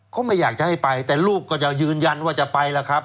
เขาไม่อยากจะให้ไปแต่ลูกก็จะยืนยันว่าจะไปล่ะครับ